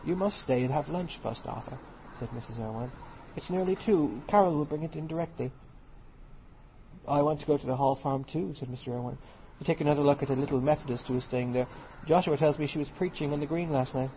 "You must stay and have lunch first, Arthur," said Mrs. Irwine. "It's nearly two. Carroll will bring it in directly." "I want to go to the Hall Farm too," said Mr. Irwine, "to have another look at the little Methodist who is staying there. Joshua tells me she was preaching on the Green last night."